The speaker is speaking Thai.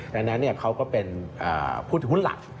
ดังนั้นเขาก็เป็นผู้ถือหุ้นหลัก